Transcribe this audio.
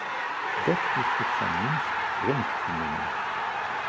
Dat is op zijn minst vreemd te noemen.